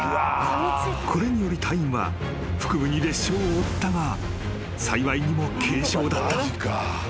［これにより隊員は腹部に裂傷を負ったが幸いにも軽傷だった］